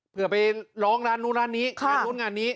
เผื่อไปร้องร้านโนงร้านที่ร้านโน้นงานนี้